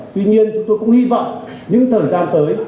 tuy nhiên chúng tôi cũng hy vọng những thời gian tới